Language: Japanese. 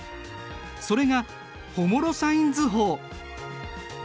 それがホモロサイン図法。